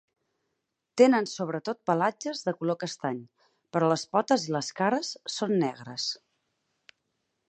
Tenen sobretot pelatges de color castany, però les potes i les cares són negres.